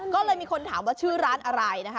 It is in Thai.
ก็เลยมีคนถามว่าชื่อร้านอะไรนะคะ